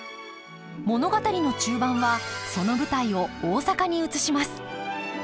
物語の中盤はその舞台を大阪に移します。